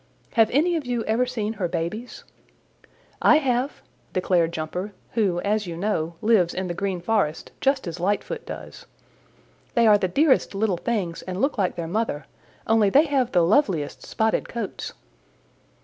Have any of you ever seen her babies?" "I have," declared Jumper, who, as you know, lives in the Green Forest just as Lightfoot does. "They are the dearest little things and look like their mother, only they have the loveliest spotted coats."